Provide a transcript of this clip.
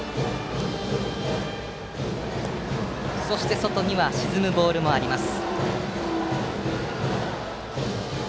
そして外には沈むボールもあります。